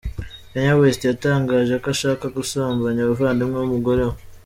Kanye West yatangaje ko ashaka gusambanya abavandimwe b’umugore we.